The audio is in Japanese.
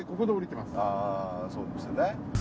あぁそうですよね。